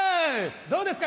どうですか？